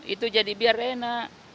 itu jadi biar enak